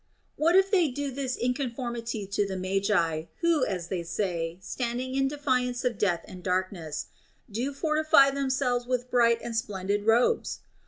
What if they do this in conformity to the Magi, who, as they say, standing in defiance of death and darkness, do fortify themselves with bright and splendid robes?